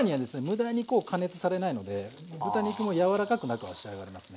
無駄にこう加熱されないので豚肉も柔らかく中は仕上がりますね。